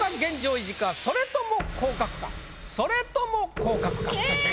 それとも降格か⁉それとも降格か⁉ええ！